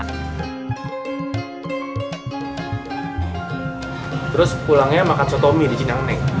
terus pulangnya makan soto mie di cinang neng